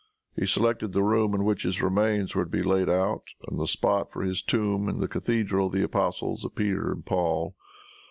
He selected the room in which his remains were to be laid out, and the spot for his tomb in the cathedral of the Apostles Peter and Paul.